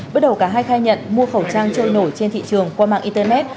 bước đầu cả hai khai nhận mua khẩu trang trôi nổi trên thị trường qua mạng internet